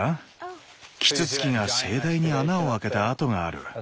キツツキが盛大に穴を開けた跡がある。